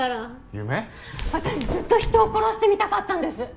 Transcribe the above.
私ずっと人を殺してみたかったんです。